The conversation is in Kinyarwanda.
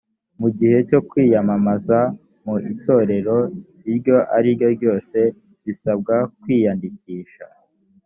mu gihe cyo kwiyamamaza mu itora iryo ariryo ryose bisabwa kwiyandikisha.